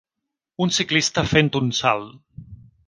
Un ciclista fent un salt.